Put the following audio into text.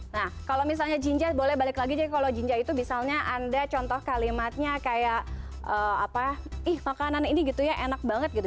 nah kalau misalnya jinja boleh balik lagi jadi kalau jinja itu misalnya anda contoh kalimatnya kayak apa ih makanan ini gitu ya enak banget gitu